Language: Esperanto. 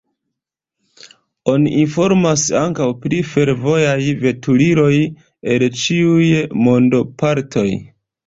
Oni informas ankaŭ pri fervojaj veturiloj el ĉiuj mondopartoj.